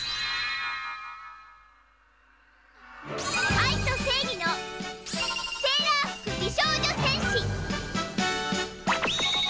愛と正義のセーラー服美少女戦士。